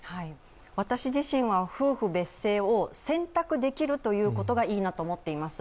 私自身は夫婦別姓を選択できるということがいいなと思っています。